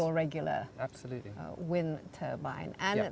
saya dengar itu akan berbeda